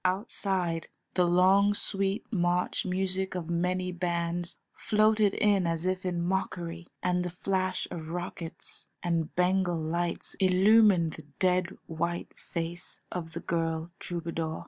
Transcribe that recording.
Outside the long sweet march music of many bands floated in as if in mockery, and the flash of rockets and Bengal lights illumined the dead, white face of the girl troubadour.